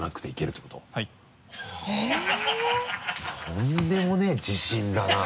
とんでもねぇ自信だな。